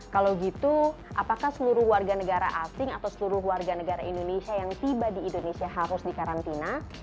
kalau gitu apakah seluruh warga negara asing atau seluruh warga negara indonesia yang tiba di indonesia harus dikarantina